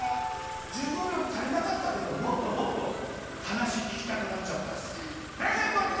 １５びょうたりなかったけどもっともっとはなしききたくなっちゃった。